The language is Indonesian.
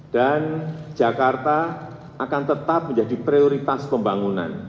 dan jakarta akan tetap menjadi prioritas pembangunan